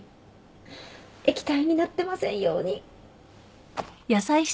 液体になってませんように。